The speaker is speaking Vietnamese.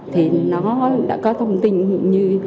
thì nó đã có thông tin như